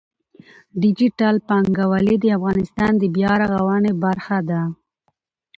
ډیجیټل بانکوالي د افغانستان د بیا رغونې برخه ده.